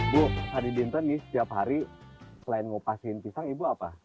bu tadi di internet nih setiap hari selain ngupasin pisang ibu apa